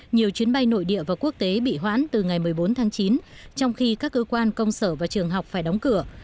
nhiều chuyến bay nội địa và quốc tế bị hoãn từ ngày một mươi bốn tháng chín trong khi các cơ quan công sở và trường học phải đóng cửa